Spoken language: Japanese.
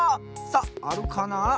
さああるかな？